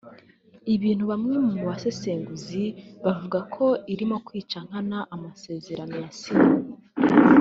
ibintu bamwe mu basesenguzi bavuga ko irimo kwica nkana amasezerano yasinye